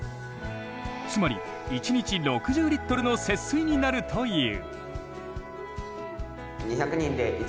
つまり１日６０リットルの節水になるという。